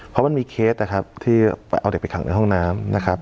เพราะมันมีเคสที่เอาเด็กไปขังในห้องน้ำ